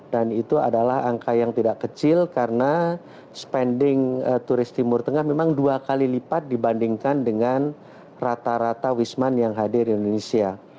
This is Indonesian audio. dan itu adalah angka yang tidak kecil karena spending turis timur tengah memang dua kali lipat dibandingkan dengan rata rata wisman yang hadir di indonesia